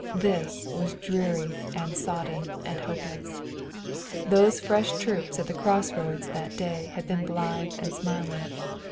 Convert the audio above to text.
This was dreary and sodden and hopeless. Those fresh troops at the crossroads that day had been blithe and smiling.